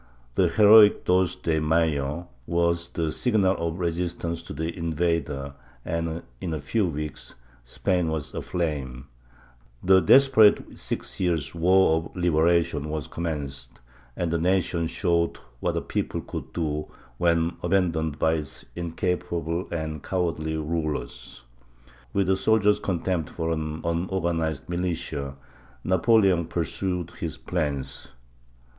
The heroic "Dos de Mayo" was the signal of resistance to the invader and, in a few weeks, Spain was aflame; the desperate six years' War of Libera tion was commenced, and the nation showed what a people could do when abandoned by its incapable and cowardly rulers. With a soldier's contempt for an unorganized militia, Napoleon pursued his plans.